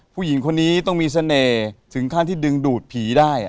ผู้หญิงคนนี้ต้องมีเสน่ห์ถึงขั้นที่ดึงดูดผีได้